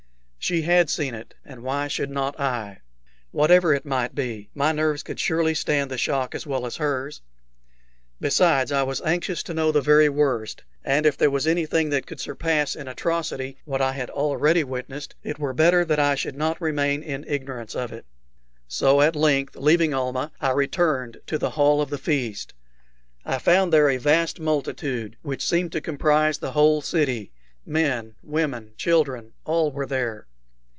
She had seen it, and why should not I? Whatever it might be, my nerves could surely stand the shock as well as hers. Besides, I was anxious to know the very worst; and if there was anything that could surpass in atrocity what I had already witnessed, it were better that I should not remain in ignorance of it. So at length, leaving Almah, I returned to the hall of the feast. I found there a vast multitude, which seemed to comprise the whole city men, women, children, all were there.